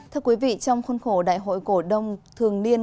thưa quý vị trong khuôn khổ đại hội cổ đông thường niên